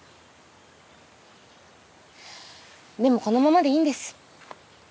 でもこのままでいいんです。